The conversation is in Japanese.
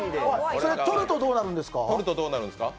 それ取るとどうなるんですか？